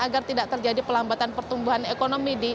agar tidak terjadi pelambatan pertumbuhan ekonomi